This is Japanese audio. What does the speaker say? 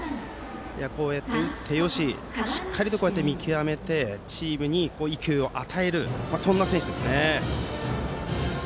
こうやって打ってよししっかりと見極めてチームに勢いを与える選手ですね。